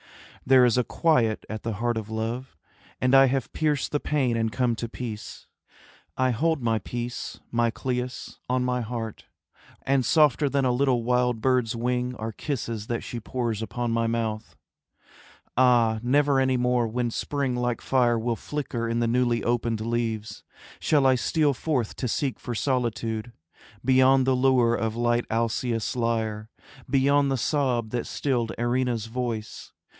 There is a quiet at the heart of love, And I have pierced the pain and come to peace. I hold my peace, my Cleis, on my heart; And softer than a little wild bird's wing Are kisses that she pours upon my mouth. Ah, never any more when spring like fire Will flicker in the newly opened leaves, Shall I steal forth to seek for solitude Beyond the lure of light Alcaeus' lyre, Beyond the sob that stilled Erinna's voice.